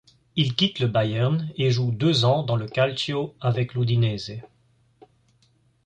Il quitte le Bayern et joue deux ans dans le Calcio avec l'Udinese.